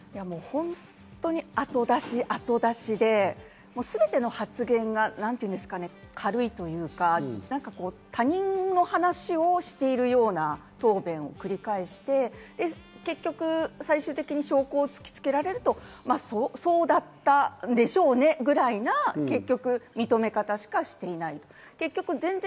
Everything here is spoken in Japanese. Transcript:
ほんとに後出し、後出しですべての発言が軽いというか、他人の話をしているような答弁を繰り返して、結局最終的にそこを突きつけられると、「そうだったんでしょうね」ぐらいな認め方しかしていない。